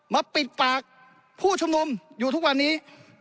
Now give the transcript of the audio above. ปิดปากผู้ชุมนุมอยู่ทุกวันนี้